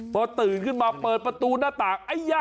พอตื่นขึ้นมาเปิดประตูหน้าต่าง